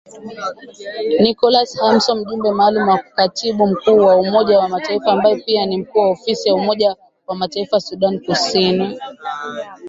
Nicholas Haysom mjumbe maalum wa katibu mkuu wa Umoja wa Mataifa, ambae pia ni mkuu wa ofisi ya Umoja wa Mataifa Sudan Kusini